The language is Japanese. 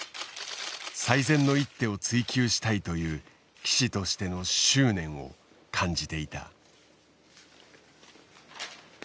最善の一手を追求したいという棋士としての執念を感じていた。